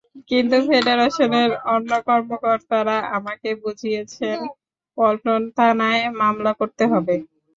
কিন্তু ফেডারেশনের অন্য কর্মকর্তারা আমাকে বুঝিয়েছেন পল্টন থানায় মামলা করতে হবে।